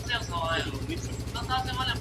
او یو موټی کولو لپاره !.